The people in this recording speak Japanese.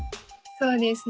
そうですね。